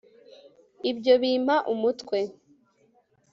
ibyo bimpa umutwe